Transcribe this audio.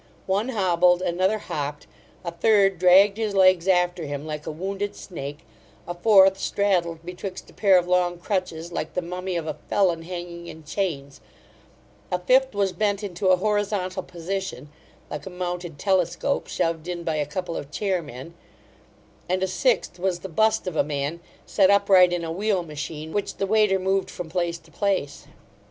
One hobbled, another hopped, a third dragged his legs after him like a wounded snake, a fourth straddled betwixt a pair of long crutches, like the mummy of a felon hanging in chains; a fifth was bent into a horizontal position, like a mounted telescope, shoved in by a couple of chairmen; and a sixth was the bust of a man, set upright in a wheel machine, which the waiter moved from place to place.